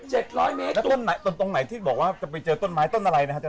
เจ็ดร้อยเมตรต้นไหนตรงไหนที่บอกว่าจะไปเจอต้นไม้ต้นอะไรนะฮะอาจา